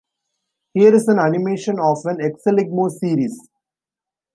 Here is an animation of an exeligmos series.